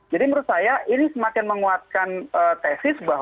jadi menurut saya ini semakin menguatkan tesis